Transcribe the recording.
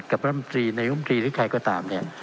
กับบริหารในบริหารหรือใครก็ตามเนี่ย